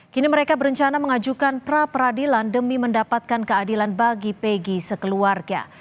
kini mereka berencana mengajukan pra peradilan demi mendapatkan keadilan bagi pegi sekeluarga